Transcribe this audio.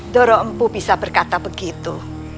doro empu bisa berkata begitu